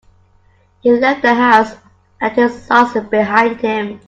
He left the house and his thoughts behind him.